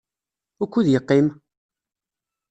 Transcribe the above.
Wukud yeqqim?